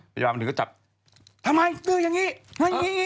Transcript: พยาบาลมันถึงก็จับทำไมดื้ออย่างนี้อย่างนี้